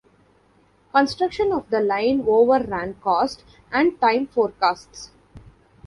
Construction of the line overran cost and time forecasts.